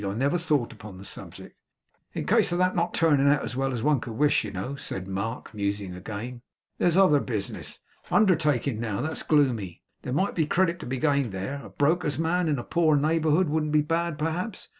I never thought upon the subject.' 'In case of that not turning out as well as one could wish, you know,' said Mark, musing again, 'there's other businesses. Undertaking now. That's gloomy. There might be credit to be gained there. A broker's man in a poor neighbourhood wouldn't be bad perhaps.